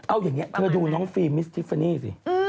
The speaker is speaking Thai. เอาอย่างนี้เธอดูน้องฟิล์มมิสทิฟฟานี่สิ